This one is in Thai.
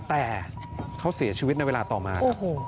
แต่เขาเสียชีวิตในเวลาต่อมา